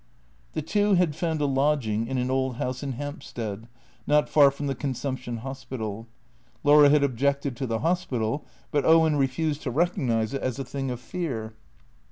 The two had found a lodging in an old house in Hampstead, not far from the Consumption Hospital. Laura had objected to the hospital, but Owen refused to recognize it as a thing of fear.